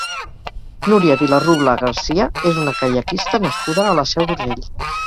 Núria Vilarrubla Garcia és una caiaquista nascuda a la Seu d'Urgell.